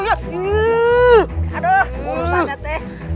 aduh urusannya teh